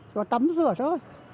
rồi tắm rửa thôi